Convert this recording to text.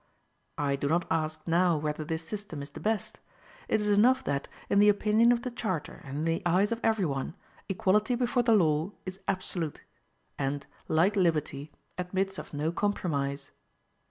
I do not ask now whether this system is the best; it is enough that, in the opinion of the charter and in the eyes of every one, equality before the law is absolute, and, like liberty, admits of no compromise.